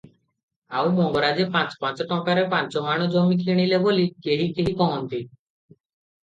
ଆଉ ମଙ୍ଗରାଜେ ପାଞ୍ଚ ପାଞ୍ଚ ଟଙ୍କାରେ ପାଞ୍ଚମାଣ ଜମି କିଣିଲେ ବୋଲି କେହିକେହି କହନ୍ତି ।